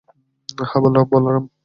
হ্যাঁ, বলরাম।